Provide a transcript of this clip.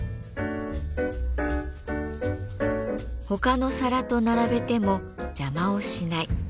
ほかの皿と並べても邪魔をしない。